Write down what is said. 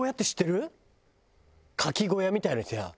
牡蠣小屋みたいなやつが。